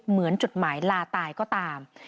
เหมือนจุดหมายลาตายก็ตาม